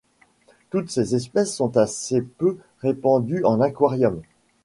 Toutes ses espèces sont assez peu répandues en aquarium.